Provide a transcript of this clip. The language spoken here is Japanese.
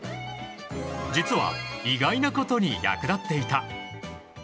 実は、意外なことに役立っていた。